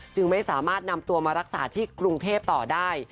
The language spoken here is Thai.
จึงไม่สามารถนำตัวมารักษาที่กรุงเทพต่อได้